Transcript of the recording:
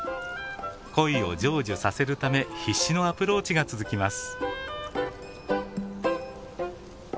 恋を成就させるため必死のアプローチが続きます。